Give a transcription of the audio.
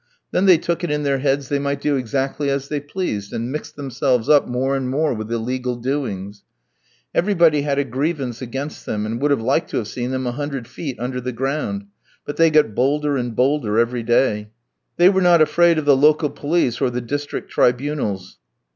Then they took it in their heads they might do exactly as they pleased, and mixed themselves up more and more with illegal doings. Everybody had a grievance against them, and would like to have seen them a hundred feet under the ground; but they got bolder and bolder every day. They were not afraid of the local police or the district tribunals.